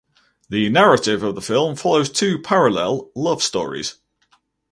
The narrative of the film follows two parallel love stories.